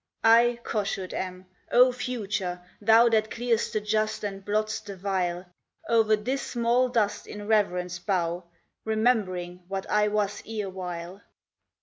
"I Kossuth am: O Future, thou That clear'st the just and blott'st the vile, O'er this small dust in reverence bow, Remembering, what I was erewhile.